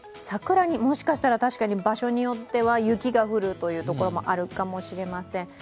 桜にもしかしたら、確かに場所によっては雪が降る所もあるかもしれません。